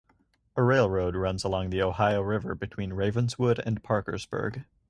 A railroad runs along the Ohio River between Ravenswood and Parkersburg.